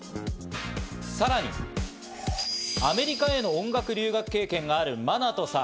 さらに、アメリカへの音楽留学経験があるマナトさん。